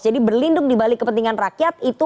jadi berlindung dibalik kepentingan rakyat itu